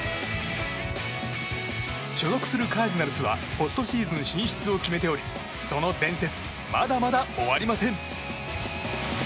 所属するカージナルスはポストシーズン進出を決めておりその伝説まだまだ終わりません。